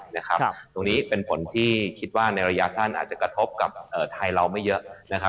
ตรงนี้เป็นผลที่คิดว่าในระยะสั้นอาจจะกระทบกับไทยเราไม่เยอะ